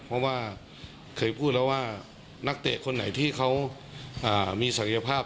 เพราะว่าเคยพูดแล้วว่านักเตะคนไหนที่เขามีศักยภาพ